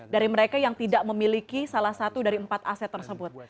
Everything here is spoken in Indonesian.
dari mereka yang tidak memiliki salah satu dari empat aset tersebut